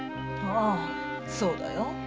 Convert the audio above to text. ああそうだよ。